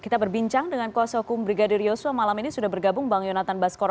kita berbincang dengan kuasa hukum brigadir yosua malam ini sudah bergabung bang yonatan baskoro